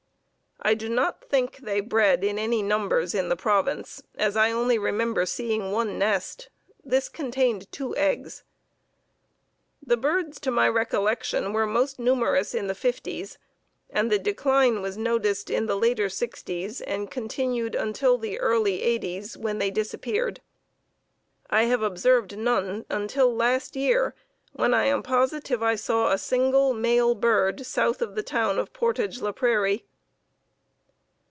"I do not think they bred in any numbers in the province, as I only remember seeing one nest; this contained two eggs. "The birds, to my recollection, were most numerous in the fifties, and the decline was noticed in the later sixties and continued until the early eighties, when they disappeared. I have observed none since until last year, when I am positive I saw a single male bird south of the town of Portage la Prairie."